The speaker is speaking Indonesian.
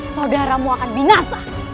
saudaramu akan binasa